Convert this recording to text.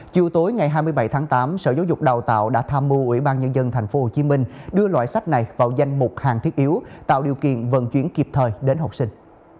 chiều tối ngày hai mươi bảy tháng tám sở giáo dục đào tạo đã tham mưu ủy ban nhân dân tp hcm đưa loại sách này vào danh mục hàng thiết yếu tạo điều kiện vận chuyển kịp thời đến học sinh